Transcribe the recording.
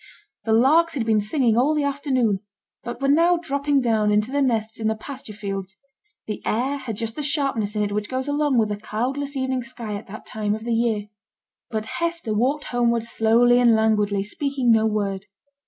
The larks had been singing all the afternoon, but were now dropping down into their nests in the pasture fields; the air had just the sharpness in it which goes along with a cloudless evening sky at that time of the year. But Hester walked homewards slowly and languidly, speaking no word.